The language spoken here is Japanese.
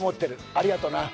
ありがとな。